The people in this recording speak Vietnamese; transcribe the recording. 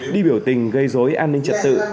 đi biểu tình gây dối an ninh trật tự